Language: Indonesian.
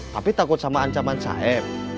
tapi takut sama ancaman sah